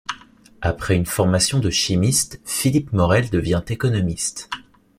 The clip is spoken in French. Après une formation de chimiste Philippe Morel devient économiste.